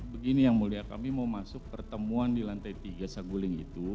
begini yang mulia kami mau masuk pertemuan di lantai tiga saguling itu